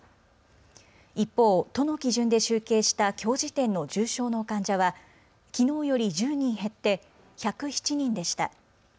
一方、都の基準で集計したきょう時点の重症の患者はきのうより１０人減って１０７人でした。